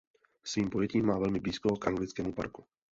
Svým pojetím má velmi blízko k anglickému parku.